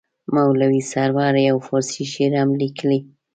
مولوي سرور یو فارسي شعر هم لیکلی.